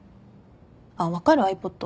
あっ分かる？ｉＰｏｄ。